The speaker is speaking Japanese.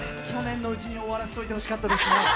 去年のうちに終わらせておいてほしかったですね。